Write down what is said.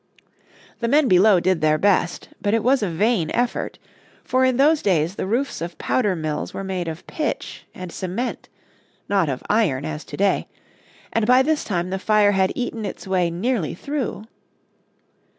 The men below did their best, but it was a vain effort, for in those days the roofs of powder mills were made of pitch and cement not of iron, as to day and by this time the fire had eaten its way nearly through.